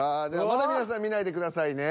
まだ皆さん見ないでくださいね。